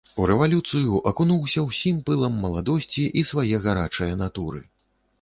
У рэвалюцыю акунуўся з усім пылам маладосці і свае гарачае натуры.